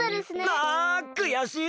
あくやしい！